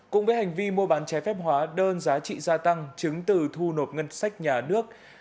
cũng với hành vi mua bán trái phép hóa đơn giá trị gia tăng chứng từ thu nộp ngân sách nhà nước